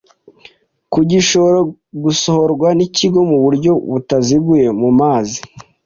ku gishobora gusohorwa n'ikigo mu buryo butaziguye mu mazi.